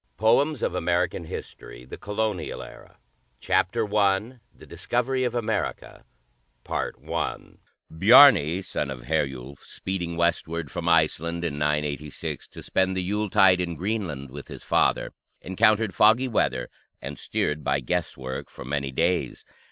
POEMS OF AMERICAN HISTORY CHAPTER I THE DISCOVERY OF AMERICA Bjarni, son of Herjulf, speeding westward from Iceland in 986, to spend the Yuletide in Greenland with his father, encountered foggy weather and steered by guesswork for many days.